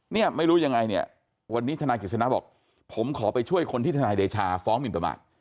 เนี่ยไม่รู้ยังไงเนี่ยวันนี้ทนายกฤษณะบอกผมขอไปช่วยคนที่ทนายเดชาฟ้องหมินประมาท